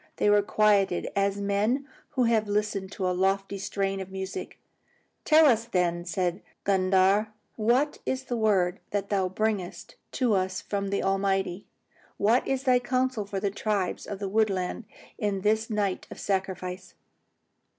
They were quieted as men who have listened to a lofty strain of music. "Tell us, then," said Gundhar, "what is the word that thou bringest to us from the Almighty. What is thy counsel for the tribes of the woodland on this night of sacrifice?"